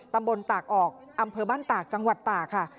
ตำบลตากออกอำเภอบ้านตากจังหวัดตากค่ะ